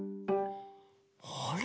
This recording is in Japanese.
あれ？